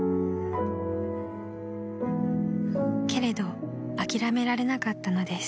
［けれど諦められなかったのです